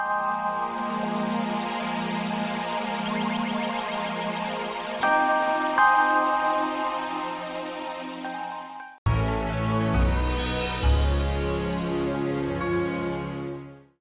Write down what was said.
ada satu korban pak